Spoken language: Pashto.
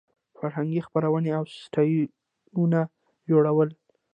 فرهنګي خپرونې او سایټونه جوړول.